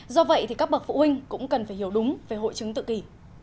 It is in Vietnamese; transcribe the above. do vậy thì các bậc phụ huynh cũng cần phải hiểu đúng về hội chứng tự kỷ